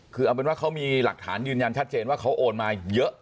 คือเอาเป็นว่าเขามีหลักฐานยืนยันชัดเจนว่าเขาโอนมาเยอะ